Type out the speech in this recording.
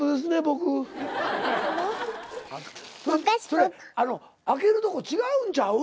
それあの開けるとこ違うんちゃう？